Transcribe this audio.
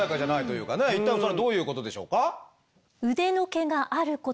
一体それはどういうことでしょうか？